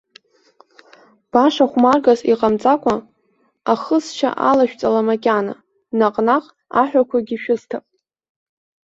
Баша хәмаргас иҟамҵакәа, ахысшьа алашәҵала макьана, наҟ-наҟ аҳәақәагьы шәысҭап.